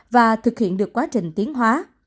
và thực hiện được quá trình tiến hóa